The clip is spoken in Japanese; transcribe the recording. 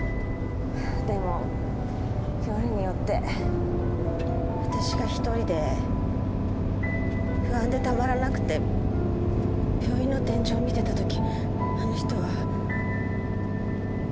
でもよりによってわたしが一人で不安でたまらなくて病院の天井を見てたときあの人は。